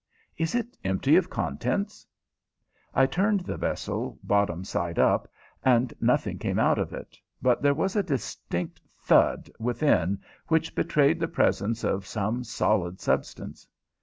Is it empty of contents?" I turned the vessel bottom side up, and nothing came out of it, but there was a distinct thud within which betrayed the presence of some solid substance.